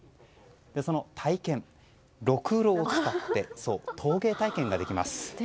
その体験、ろくろを使って陶芸体験ができます。